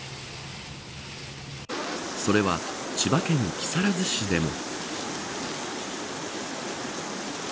それは、千葉県木更津市でも。